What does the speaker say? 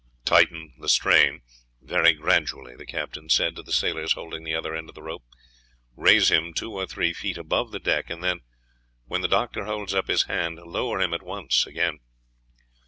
"Tighten the strain very gradually," the captain said to the sailors holding the other end of the rope. "Raise him two or three feet above the deck, and then, when the doctor holds up his hand, lower him at once again."